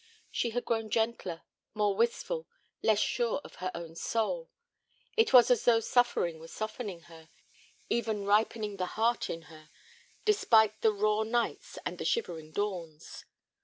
She had grown gentler, more wistful, less sure of her own soul. It was as though suffering were softening her, even ripening the heart in her, despite the raw nights and the shivering dawns.